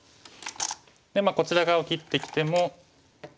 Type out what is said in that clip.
でこちら側を切ってきても。